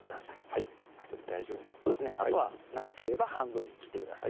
はいでも大丈夫かなあとは長ければ半分に切ってください